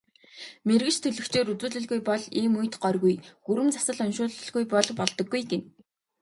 Мэргэч төлгөчөөр үзүүлэлгүй бол ийм үед горьгүй, гүрэм засал уншуулалгүй бол болдоггүй гэнэ.